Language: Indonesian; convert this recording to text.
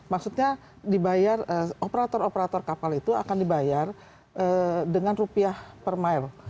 maksudnya dibayar operator operator kapal itu akan dibayar dengan rupiah per mile